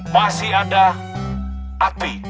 masih ada api